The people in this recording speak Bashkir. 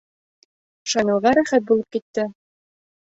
Шамилға рәхәт булып китте.